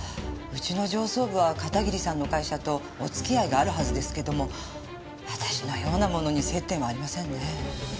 うちの上層部は片桐さんの会社とお付き合いがあるはずですけども私のような者に接点はありませんねえ。